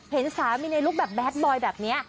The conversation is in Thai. เห็นสามีในลุคแบบแดดบอยแบบนี้